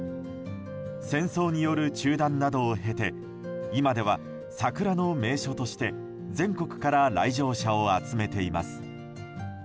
戦争による中断などを経て今では桜の名所として全国から来場者を集めています。